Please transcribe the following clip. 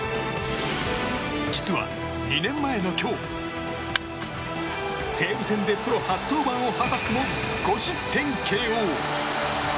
実は、２年前の今日西武戦でプロ初登板を果たすも５失点ＫＯ。